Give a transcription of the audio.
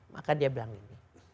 maka dia bilang ini